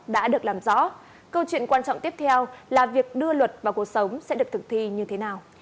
đã được làm rõ câu chuyện quan trọng tiếp theo là việc đưa luật vào cuộc sống sẽ được thực thi như thế nào